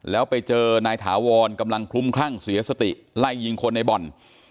แล้วไปเจอนายถาวรกำลังคลุ้มคลั่งเสียสติไล่ยิงคนในบ่อน